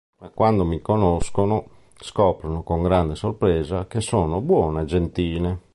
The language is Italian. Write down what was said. Ma quando mi conoscono, scoprono con grande sorpresa che sono buona e gentile".